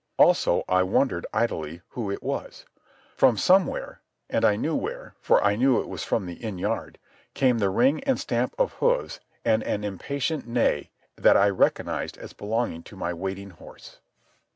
Also, I wondered idly who it was. From somewhere—and I knew where, for I knew it was from the inn yard—came the ring and stamp of hoofs and an impatient neigh that I recognized as belonging to my waiting horse.